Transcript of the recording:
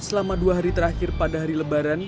selama dua hari terakhir pada hari lebaran